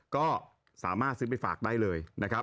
ก็สามารถซื้อไปฝากได้เลยนะครับ